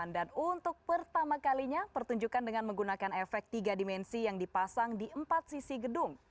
dan untuk pertama kalinya pertunjukan dengan menggunakan efek tiga dimensi yang dipasang di empat sisi gedung